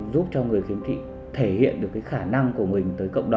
giúp cho người khiếm thị thể hiện được khả năng của mình